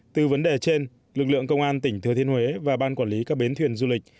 từ vấn đề trên lực lượng công an tỉnh thừa thiên huế và ban quản lý các bến thuyền du lịch